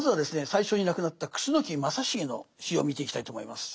最初に亡くなった楠木正成の死を見ていきたいと思います。